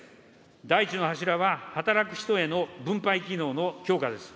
第１の柱は、働く人への分配機能の強化です。